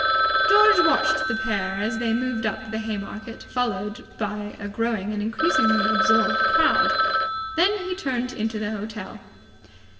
George watched the pair as they moved up the Haymarket, followed by a growing and increasingly absorbed crowd; then he turned into the hotel.